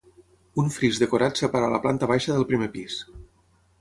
Un fris decorat separa la planta baixa del primer pis.